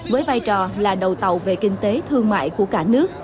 với vai trò là đầu tàu về kinh tế thương mại của cả nước